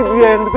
itu dia lagi otra